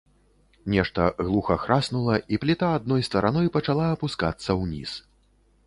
Нешта глуха храснула, і пліта адной стараной пачала апускацца ўніз.